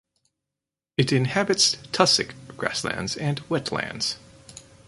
It inhabits tussock grasslands and wetlands.